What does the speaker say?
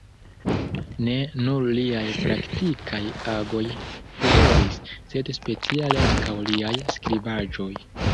Ne nur liaj praktikaj agoj furoris, sed speciale ankaŭ liaj skribaĵoj.